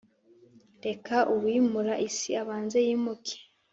reka uwimura isi abanze yimuke.